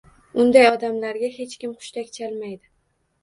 Unday odamlarga hech kim hushtak chalmaydi?